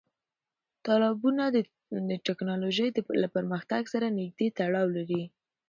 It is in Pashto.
تالابونه د تکنالوژۍ له پرمختګ سره نږدې تړاو لري.